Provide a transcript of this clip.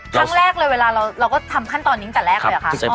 ครั้งแรกเราก็ทำขั้นตอนนี้จากแรกเลยเหรอค่ะ